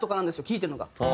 聴いてるのが。